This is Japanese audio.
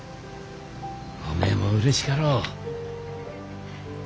おめえもうれしかろう。